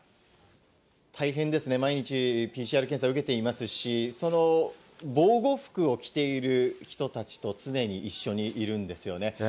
大変ですね、毎日ＰＣＲ検査受けていますし、防護服を着ている人たちと常に一緒にいるんですよね。